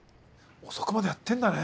遅くまでやってんだね。